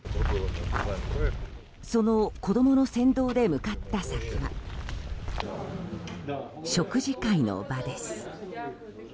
その子供の先導で向かった先は食事会の場です。